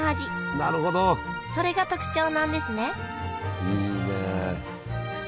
それが特徴なんですねいいね。